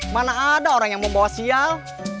mana ada orang yang mau bawa sial